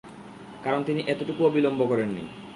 কারণ তিনি এতটুকু বিলম্বও করেন নি।